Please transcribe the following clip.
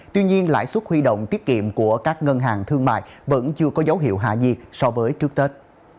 tuy nhiên lãi suất huy động tiết kiệm của các ngân hàng thương mại vẫn chưa có dấu hiệu hạ nhiệt so với trước tết